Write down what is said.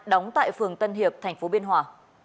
đóng tại phường tân hiệp tp biên hòa